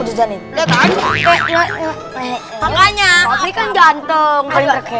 bisa nih ya kan ya makanya tapi kan ganteng